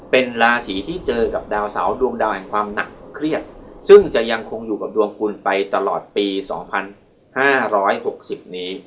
เป็นราศีที่เจอกับดาวเสาดวงดาวแห่งความหนักเครียดซึ่งจะยังคงอยู่กับดวงคุณไปตลอดปี๒๕๖๐นี้